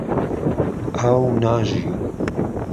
ئاو ناژی